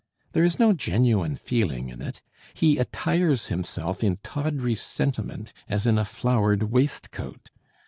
There is no genuine feeling in it: he attires himself in tawdry sentiment as in a flowered waistcoat.